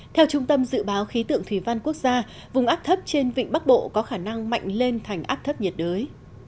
theo trung tâm dự báo khí tượng thủy văn quốc gia vùng áp thấp trên vịnh bắc bộ có khả năng mạnh lên thành áp thấp nhiệt đới